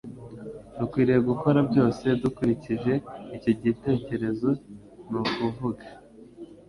Dukwiriye gukora byose dukurikije icyo cyitegerezo ni ukuvuga